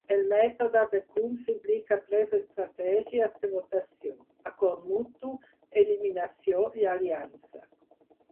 El mètode de Coombs implica tres estratègies de votació: acord mutu, eliminació i aliança.